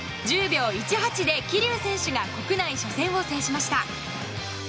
１０秒１８で桐生選手が国内初戦を制しました。